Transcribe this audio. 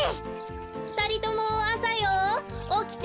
ふたりともあさよおきて。